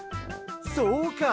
そうか！